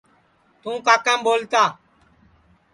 توں کاکام ٻولتا